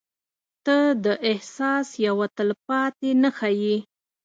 • ته د احساس یوه تلپاتې نښه یې.